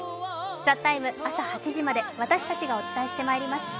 「ＴＨＥＴＩＭＥ，」、朝８時まで私たちがお伝えしてまいります。